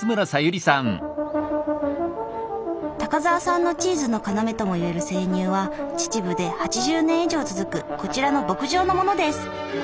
高沢さんのチーズの要ともいえる生乳は秩父で８０年以上続くこちらの牧場のものです。